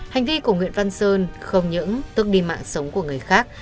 hành vi của nguyễn văn sơn không những tức đi mạng sống của người khác